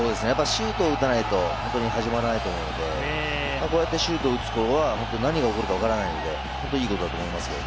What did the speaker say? シュートを打たないと始まらないと思うので、こうやってシュートを打つことは何が起こるか分からないので、いいことだと思います。